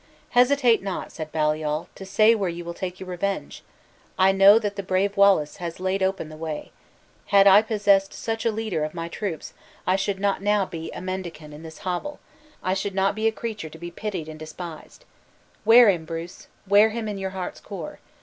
"Hesitate not," said Baliol, "to say where you will take your revenge! I know that the brave Wallace has laid open the way. Had I possessed such a leader of my troops, I should not now be a mendicant in this hovel; I should not be a creature to be pitied and despised. Wear him, Bruce wear him in your heart's core.